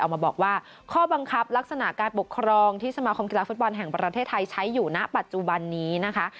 ออกมาบอกว่าข้อบังคับลักษณะการปกครองที่สมาคมกีฬาฟุตบอลแห่งประเทศไทยใช้อยู่ณปัจจุบันนี้นะคะ